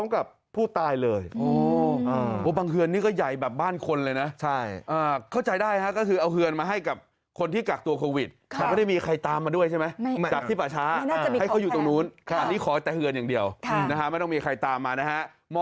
คนที่กักตัวโควิดแต่ไม่ได้มีใครตามมาด้วยใช่ไหมกักที่ป่าช้าให้เขาอยู่ตรงนู้นอันนี้ขอแต่เหือนอย่างเดียวนะคะไม่ต้องมีใครตามมานะฮะ